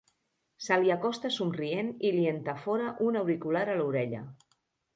Se li acosta somrient i li entafora un auricular a l'orella.